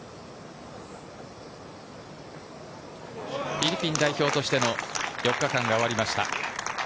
フィリピン代表としての４日間が終わりました。